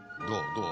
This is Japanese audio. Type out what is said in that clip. どう？